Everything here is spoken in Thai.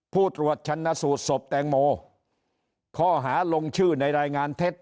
ผู้ตรวจชันสูตรศพแตงโมข้อหาลงชื่อในรายงานเท็จ